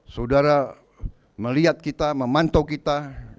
saudara melihat kita memantau kita